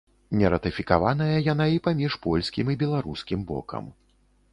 Нератыфікаваная яна і паміж польскім і беларускім бокам.